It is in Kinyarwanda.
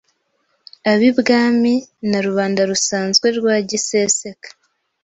Ab'ibwami na rubanda rusanzwe rwa giseseka,